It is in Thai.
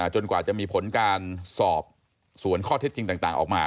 กว่าจะมีผลการสอบสวนข้อเท็จจริงต่างออกมา